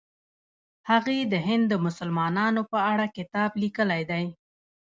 هغې د هند د مسلمانانو په اړه کتاب لیکلی دی.